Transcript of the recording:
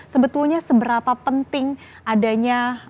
sebetulnya seberapa penting adanya